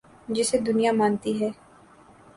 جسے دنیا مانتی ہے۔